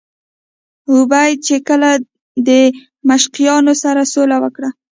ابوعبیده چې کله له دمشقیانو سره سوله وکړه.